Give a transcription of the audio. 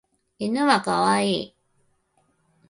犬は可愛い。